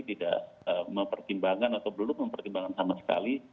tidak mempertimbangkan atau belum mempertimbangkan sama sekali